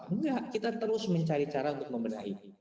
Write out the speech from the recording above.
enggak kita terus mencari cara untuk membenahi